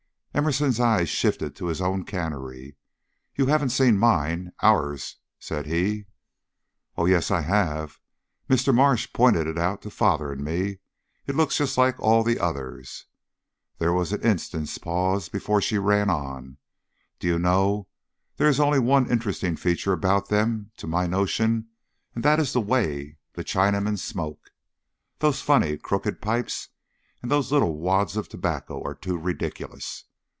Emerson's eyes shifted to his own cannery. "You haven't seen mine ours," said he. "Oh yes, I have. Mr. Marsh pointed it out to father and me. It looks just like all the others." There was an instant's pause before she ran on. "Do you know, there is only one interesting feature about them, to my notion, and that is the way the Chinamen smoke. Those funny, crooked pipes and those little wads of tobacco are too ridiculous."